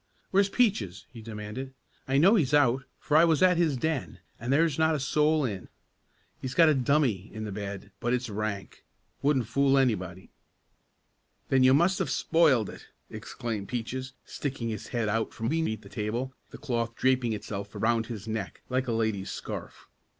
"Where's Peaches?" he demanded. "I know he's out, for I was at his den, and there's not a soul in. He's got a 'dummy' in the bed, but it's rank. Wouldn't fool anybody." "Then you must have spoiled it!" exclaimed Peaches, sticking his head out from beneath the table, the cloth draping itself around his neck like a lady's scarf.